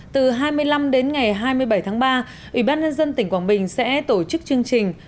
từ hai mươi năm đến ngày hai mươi bảy tháng ba ủy ban nhân dân tỉnh quảng bình sẽ tổ chức chương trình